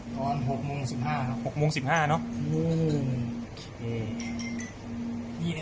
ตอน๐๖๑๕น๊า